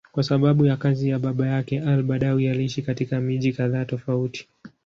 Kwa sababu ya kazi ya baba yake, al-Badawi aliishi katika miji kadhaa tofauti.